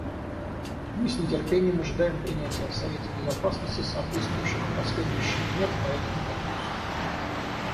Мы с нетерпением ожидаем принятия в Совете Безопасности соответствующих последующих мер по этому вопросу.